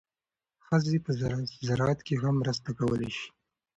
ښځې په زراعت کې هم مرسته کولی شي.